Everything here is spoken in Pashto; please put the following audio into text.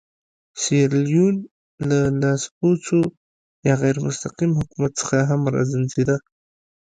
سیریلیون له لاسپوڅي یا غیر مستقیم حکومت څخه هم رنځېده.